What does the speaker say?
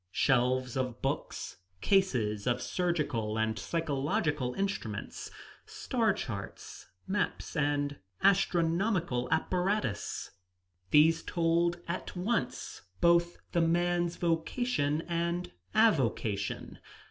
Shelves of books, cases of surgical and psychological instruments, star charts, maps and astronomical apparatus these told at once both the man's vocation and avocation.